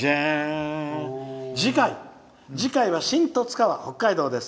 次回は新十津川北海道です。